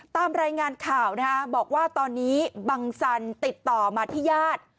ตามรายงานข่าวนะฮะบอกว่าตอนนี้บังสันติดต่อมาที่ญาติ